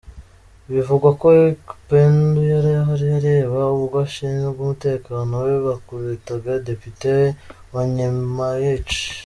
Bivugwa ko Ekpendu yari ahari areba ubwo abashinzwe umutekano we bakubitaga depite Onyemaechi.